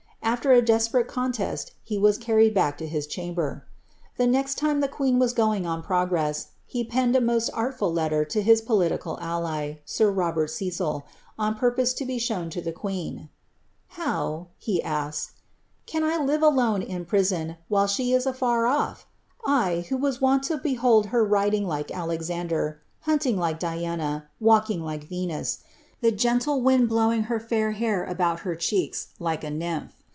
AAer a desperate ^eat he waa carried back to his chamber. The next time the queen going on progress, he penned a most artful letter to hia political f air Robert Cecil, on purpose to be shown to the qneen :^ How,'' laka, ^ can I live alone in prison, while she is afer off— I, who waa it Co behold her riding like Alexander, hunting like Diana, walking Venus — the gentle wind blowing her fair hair about her pure cheeka, a nymph.